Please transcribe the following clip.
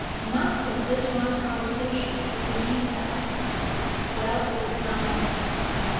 'Not from this one conversation, if you mean that.' 'Well, it does not matter.'